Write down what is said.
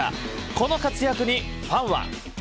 この活躍にファンは。